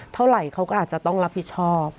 เท่าไหร่เขาก็อาจจะต้องรับผิดชอบ